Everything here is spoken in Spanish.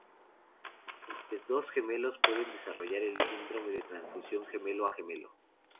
Estos dos gemelos pueden desarrollar el síndrome de transfusión gemelo a gemelo.